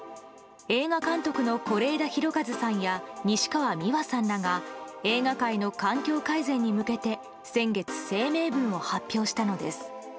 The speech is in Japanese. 映画監督の是枝裕和さんや西川美和さんらが映画界の環境改善に向けて先月、声明文を発表したのです。